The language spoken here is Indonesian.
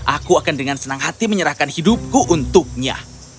aku akan dengan senang hati menyerahkan hidupku untuknya